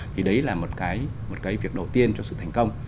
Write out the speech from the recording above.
thì đấy là một cái việc đầu tiên cho sự thành công